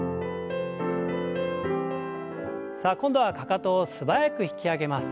さあ今度はかかとを素早く引き上げます。